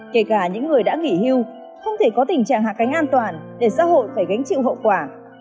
kể cả những người đã nghỉ hưu không thể có tình trạng hạ cánh an toàn để xã hội phải gánh chịu hậu quả